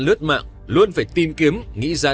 lướt mạng luôn phải tìm kiếm nghĩ ra